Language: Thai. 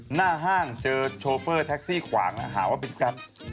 หน้าห้างเจอโชเฟอร์แท็กซี่ขวางหาว่าเป็นแกรป